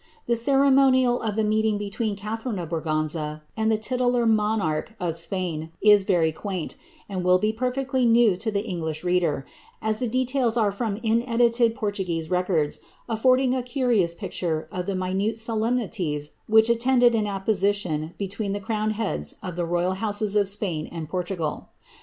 The oeremoaial of the meeting between Catharine of Braganza and the titular monareh of Spain is very quaint, and will be perfectly new to the English reader, ■ the details are from ineditcd Portuguese records, aflbrding a carioot pi^ *ure of the minute solemnities which attended an apposition betwMi crowned heads of the royal houses of Spain and Portugal.